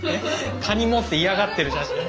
かに持って嫌がってる写真。